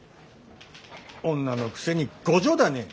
女のくせに強情だね。